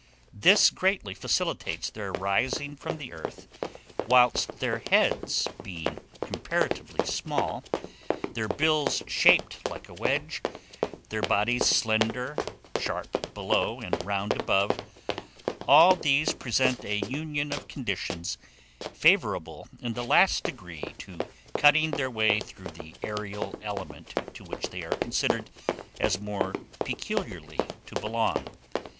This greatly facilitates their rising from the earth, whilst their heads, being comparatively small, their bills shaped like a wedge, their bodies slender, sharp below, and round above, all these present a union of conditions, favourable, in the last degree, to cutting their way through the aërial element to which they are considered as more peculiarly to belong.